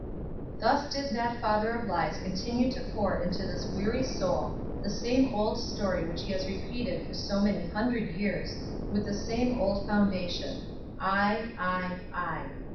Thus did that father of lies continue to pour into this weary soul the same old story which he has repeated for so many hundred years, with the same old foundation: "I I I."